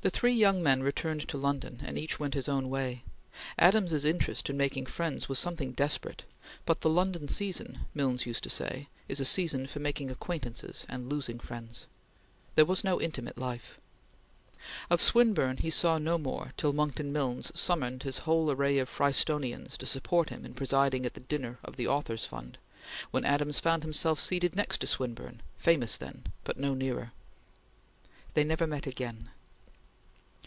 The three young men returned to London, and each went his own way. Adams's interest in making friends was something desperate, but "the London season," Milnes used to say, "is a season for making acquaintances and losing friends"; there was no intimate life. Of Swinburne he saw no more till Monckton Milnes summoned his whole array of Frystonians to support him in presiding at the dinner of the Authors' Fund, when Adams found himself seated next to Swinburne, famous then, but no nearer. They never met again.